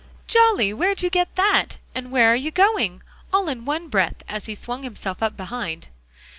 "Jolly! where'd you get that, and where are you going?" all in one breath, as he swung himself up behind.